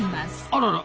あらら！